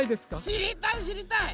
しりたいしりたい！